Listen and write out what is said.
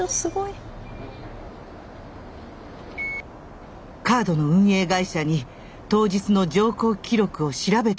カードの運営会社に当日の乗降記録を調べてもらいました。